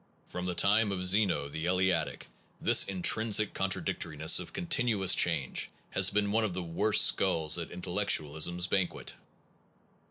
From the time of Zeno the Eleatic, this intrinsic contradictoriness of continuous change has been one of the worst skulls at intellectualism s banquet.